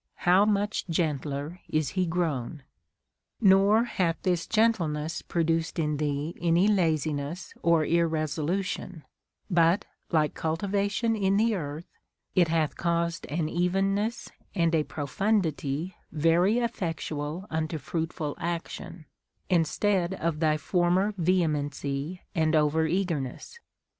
how much gentler is he grown !* Nor hath this gentleness produced in thee any laziness or irresolution ; but, like cultivation in the earth, it hath caused an evenness and a profundity very effectual unto fruitful action, instead of thy former veheraency and over eagerness.